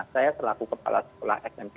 saya selaku kepala sekolah smp